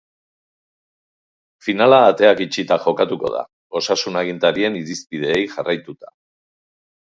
Finala ateak itxita jokatuko da, osasun agintarien irizpideei jarraituta.